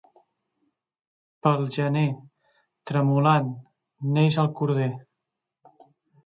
Pel gener, tremolant, neix el corder.